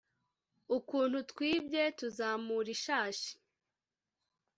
ukuntu twibye, tuzamura ishashi